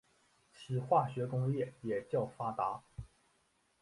其化学工业也较发达。